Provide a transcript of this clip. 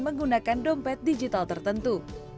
menggunakan dompet digital tertentu